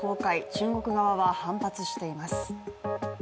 中国側は反発しています。